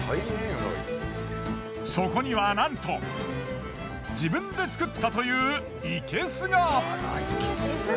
そこにはなんと自分で作ったという生け簀が。